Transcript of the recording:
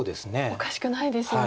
おかしくないですよね。